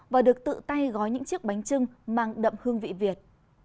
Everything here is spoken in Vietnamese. và được tự tay gói những chiếc bánh trưng mang đậm hương vị việt